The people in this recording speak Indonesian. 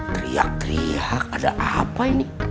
teriak teriak ada apa ini